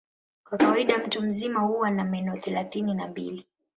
Kwa kawaida mtu mzima huwa na meno thelathini na mbili.